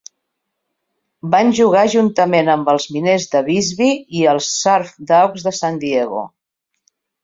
Van jugar juntament amb els Miners de Bisbee i els Surf Dawgs de San Diego.